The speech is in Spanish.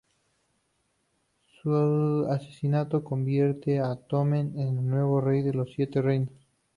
Su asesinato convierte a Tommen en el nuevo Rey de los Siete Reinos.